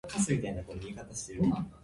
Bagai pelanduk di cerang rimba